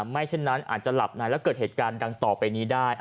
ไม่เช่นนั้นอาจจะหลับในแล้วเกิดเหตุการณ์ดังต่อไปนี้ได้